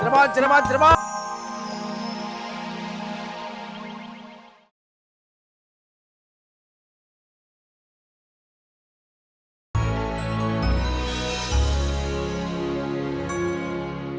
serban serban serban